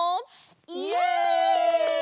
イエイ！